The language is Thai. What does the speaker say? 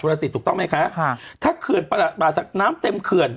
รสิตถูกต้องไหมคะค่ะถ้าเขื่อนป่าศักดิ์น้ำเต็มเขื่อน